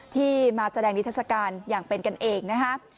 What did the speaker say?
ที่มาแสดงนิทัศกาลอย่างเป็นกันเองนะฮะ